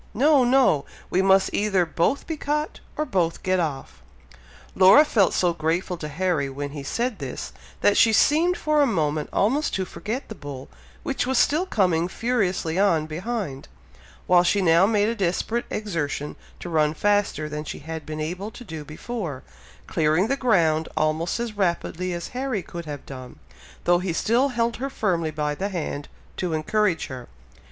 No! no! we must either both be caught, or both get off!" Laura felt so grateful to Harry when he said this, that she seemed for a moment almost to forget the bull, which was still coming furiously on behind, while she now made a desperate exertion to run faster than she had been able to do before, clearing the ground almost as rapidly as Harry could have done, though he still held her firmly by the hand, to encourage her.